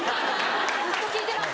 ずっと聞いてます。